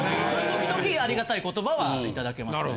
時々ありがたい言葉はいただけますね。